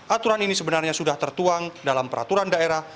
aturan ini sebenarnya sudah tertuang dalam peraturan daerah